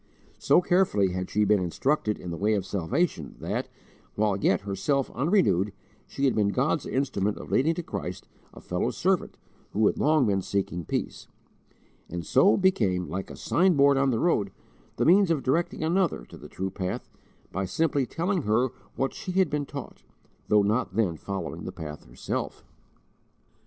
So carefully had she been instructed in the way of salvation that, while yet herself unrenewed, she had been God's instrument of leading to Christ a fellow servant who had long been seeking peace, and so, became, like a sign board on the road, the means of directing another to the true path, by simply telling her what she had been taught, though not then following the path herself.